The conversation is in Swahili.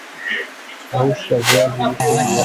kausha viazi lishe juani